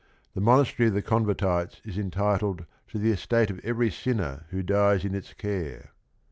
The Monastery of the Con vertites is entitled to the estate of every sinner who dies in its care.